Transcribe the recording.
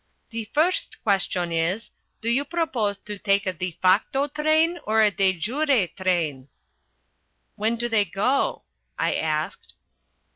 "The first question is, do you propose to take a de facto train or a de jure train?" "When do they go?" I asked.